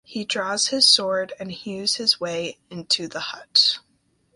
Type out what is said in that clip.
He draws his sword and hews his way into the hut.